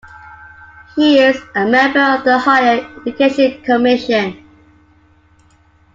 He is a member of the Higher Education Commission.